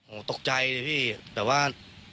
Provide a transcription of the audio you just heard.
โอ้ตกใจเลยพี่แต่ว่า